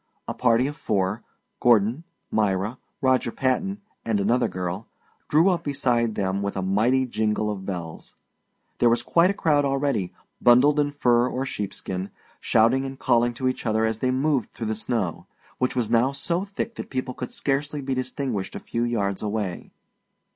A party of four Gordon, Myra, Roger Patton, and another girl drew up beside them with a mighty jingle of bells. There were quite a crowd already, bundled in fur or sheepskin, shouting and calling to each other as they moved through the snow, which was now so thick that people could scarcely be distinguished a few yards away.